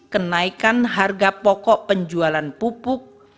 kenaikan harga pokok penjualan pupuk